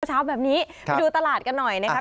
เช้าแบบนี้ไปดูตลาดกันหน่อยนะครับ